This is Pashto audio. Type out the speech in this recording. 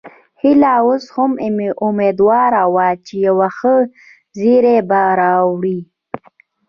هيله اوس هم اميدواره وه چې یو ښه زیری به واوري